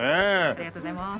ありがとうございます。